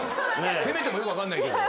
「せめて」もよく分かんないけど。